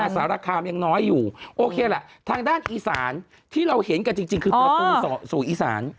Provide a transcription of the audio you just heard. สารคามยังน้อยอยู่โอเคล่ะทางด้านอีสานที่เราเห็นกันจริงคือประตูสู่อีสาน